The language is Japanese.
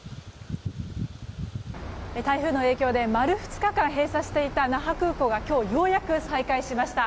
台風の影響で丸２日間閉鎖していた那覇空港が今日ようやく再開しました。